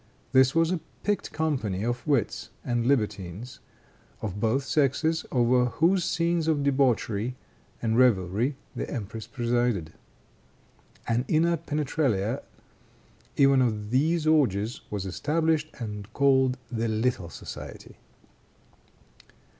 This was a picked company of wits and libertines, of both sexes, over whose scenes of debauchery and revelry the empress presided. An inner penetralia even of these orgies was established, and called the Little Society.